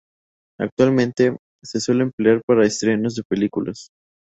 Actualmente, se suele emplear para estrenos de películas.